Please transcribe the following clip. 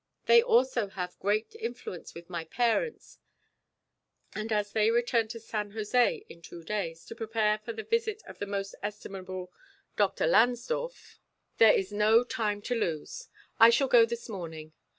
They also have great influence with my parents, and as they return to San Jose in two days to prepare for the visit of the most estimable Dr. Langsdorff, there is no time to lose. I shall go this morning.